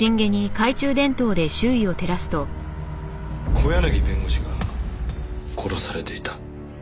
小柳弁護士が殺されていた。